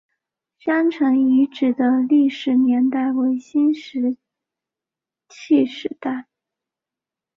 山城遗址的历史年代为新石器时代。